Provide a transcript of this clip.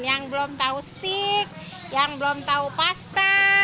yang belum tahu stick yang belum tahu pasta